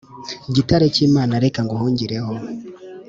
Gitare cy’Imana reka nguhungireho